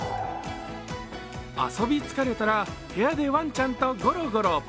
遊び疲れたら部屋でワンちゃんとゴロゴロ。